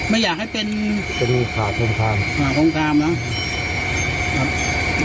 ไม่อยากให้เป็นเป็นข่าวโครมคลามข่าวโครมคลามแล้วครับ